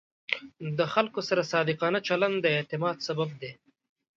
د خلکو سره صادقانه چلند د اعتماد سبب دی.